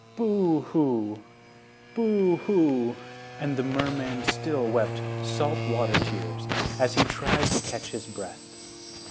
"Boo hoo, boo hoo," and the merman still wept salt water tears, as he tried to catch his breath.